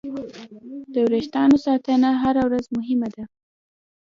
د وېښتیانو ساتنه هره ورځ مهمه ده.